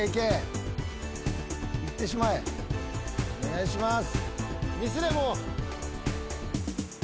お願いします。